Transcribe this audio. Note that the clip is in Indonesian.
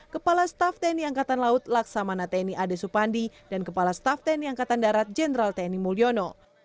kepala staff tni angkatan laut laksamana tni ade supandi dan kepala staf tni angkatan darat jenderal tni mulyono